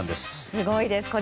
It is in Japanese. すごいです。